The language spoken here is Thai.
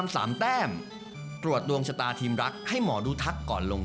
สวัสดีครับ